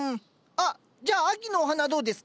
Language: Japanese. あっじゃあ秋のお花どうですか？